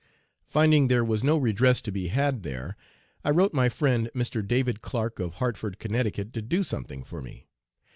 Finding there was no redress to be had there, I wrote my friend Mr. David Clark, of Hartford, Ct., to do something for me.